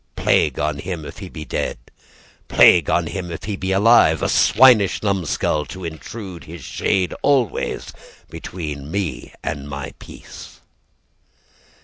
Plague on him if he be dead, Plague on him if he be alive A swinish numskull To intrude his shade Always between me and my peace!